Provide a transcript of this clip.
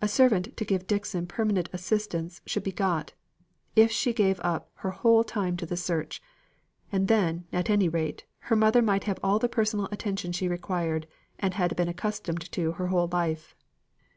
A servant to give Dixon permanent assistance should be got, if she gave up her whole time to the search; and then, at any rate, her mother might have all the personal attention she required, and had been accustomed to her whole life.